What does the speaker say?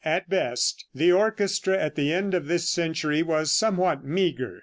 At best, the orchestra at the end of this century was somewhat meager.